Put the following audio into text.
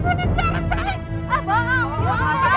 arta arta kenapa nak